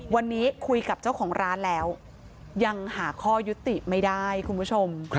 วันนี้คุยกับเจ้าของร้านแล้วยังหาข้อยุติไม่ได้คุณผู้ชม